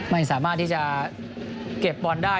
ไม่สามารถที่จะเก็บบอลได้